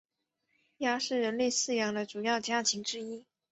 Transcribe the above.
鸭是人类饲养的主要家禽之一。